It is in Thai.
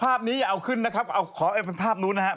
ภาพนี้อย่าเอาขึ้นนะครับภาพนู้นนะครับ